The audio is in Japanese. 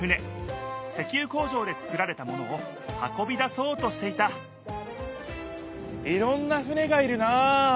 石ゆ工場で作られたものを運びだそうとしていたいろんな船がいるなあ！